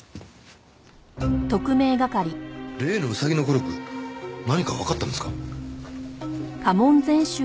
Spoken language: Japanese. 例のウサギのコルク何かわかったんですか？